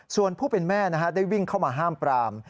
ส่วนผู้เป็นแม่ได้วิ่งเข้ามาห้ามปราม